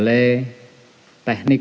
untuk melakukan sesuatu yang lebih baik